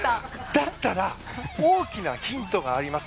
だったら大きなヒントがあります。